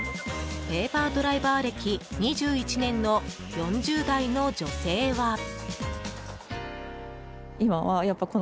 ペーパードライバー歴２１年の４０代の女性は。